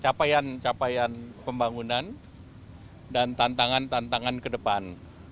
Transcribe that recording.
capaian capaian pembangunan dan tantangan tantangan ke depan